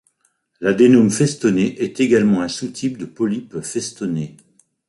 L'adénome festonné est également un sous-type de polype festonné.